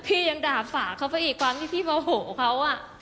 พี่ยังด่าฝากเขาเพราะเอี๊ยดกว่าพี่มอบโหเขา